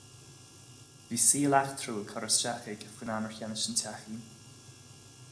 Bhí saol eachtrúil curtha isteach aige faoin am ar cheannaigh sé an teachín.